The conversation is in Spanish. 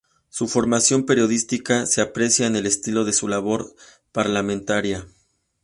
Su formación periodística se aprecia en el estilo de su labor parlamentaria.